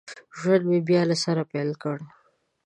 ژوند مې بیا له سره پیل کړ